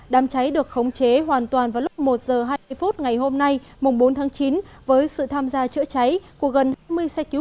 đám cháy được khống chế hoàn toàn vào lúc một h hai mươi phút ngày hôm nay mùng bốn tháng chín với sự tham gia chữa cháy của gần hai mươi xe cứu